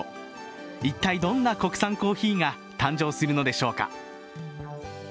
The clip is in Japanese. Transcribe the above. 一体どんな国産コーヒーが誕生するのでしょうか。